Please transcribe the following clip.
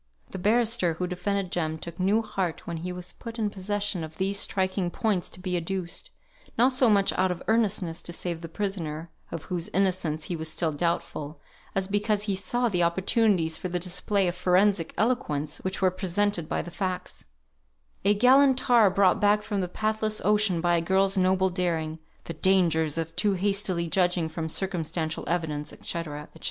The barrister who defended Jem took new heart when he was put in possession of these striking points to be adduced, not so much out of earnestness to save the prisoner, of whose innocence he was still doubtful, as because he saw the opportunities for the display of forensic eloquence which were presented by the facts; "a gallant tar brought back from the pathless ocean by a girl's noble daring," "the dangers of too hastily judging from circumstantial evidence," &c., &c.